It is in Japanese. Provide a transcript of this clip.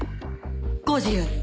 ご自由に。